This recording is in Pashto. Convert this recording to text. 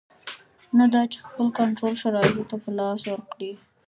نه دا چې خپل کنټرول شرایطو ته په لاس ورکړي.